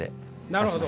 なるほど。